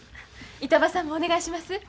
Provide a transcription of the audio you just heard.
板場さんもお願いします。